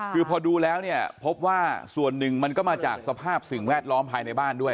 คือพอดูแล้วเนี่ยพบว่าส่วนหนึ่งมันก็มาจากสภาพสิ่งแวดล้อมภายในบ้านด้วย